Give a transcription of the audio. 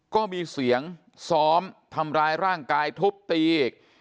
ก็มีเสียงซ้อมทำร้ายร่างกายทุบตีอีก